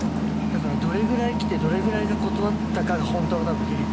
だからどれぐらい来てどれぐらいが断ったかがホントの多分比率。